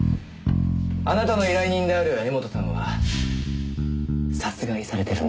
あなたの依頼人である柄本さんは殺害されてるんです。